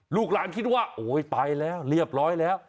ลูกหลานคิดว่าโอ้ยไปแล้วเรียบร้อยแล้ว